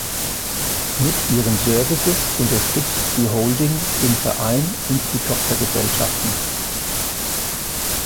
Mit ihren Services unterstützt die Holding den Verein und die Tochtergesellschaften.